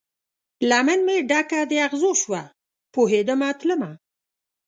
لمن مې ډکه د اغزو شوه، پوهیدمه تلمه